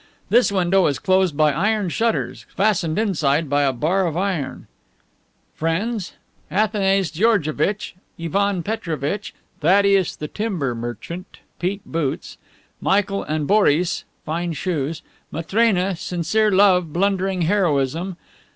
This window is closed by iron shutters, fastened inside by a bar of iron. "Friends: Athanase Georgevitch, Ivan Petrovitch, Thaddeus the timber merchant (peat boots), Michael and Boris (fine shoes). Matrena, sincere love, blundering heroism.